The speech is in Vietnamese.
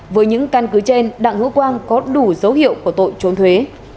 với những căn cứ trên đặng hữu quang có đủ dấu hiệu của tội trốn thuế